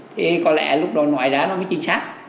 thì có lẽ lúc đó nói ra nó mới chính xác